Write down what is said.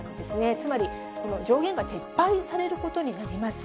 つまり上限が撤廃されることになります。